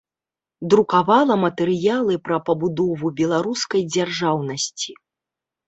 Друкавала матэрыялы пра пабудову беларускай дзяржаўнасці.